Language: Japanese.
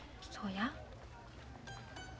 そうや。